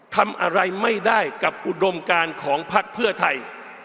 ทำอะไรไม่ได้กับอุดมการของพักเพื่อไทย